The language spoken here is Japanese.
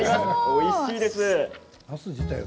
おいしいです。